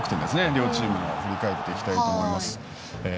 両チームの振り返っていきたいと思います。